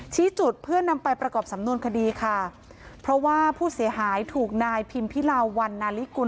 ชี้จุดเพื่อนำไปประกอบสำนวนคดีค่ะเพราะว่าผู้เสียหายถูกนายพิมพิลาวันนาลิกุล